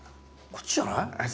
こっちじゃない？